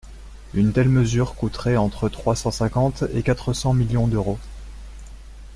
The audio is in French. Une telle mesure coûterait entre trois cent cinquante et quatre cents millions d’euros.